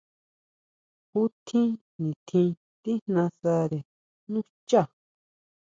¿Ju tjín nitjín tíjnasare nú xchá?